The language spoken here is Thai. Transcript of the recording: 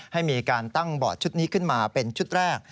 ให้มีการตั้งบอร์ดชุดนี้ขึ้นมาเป็นชุดแรก